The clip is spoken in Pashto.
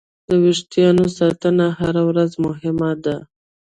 د وېښتیانو ساتنه هره ورځ مهمه ده.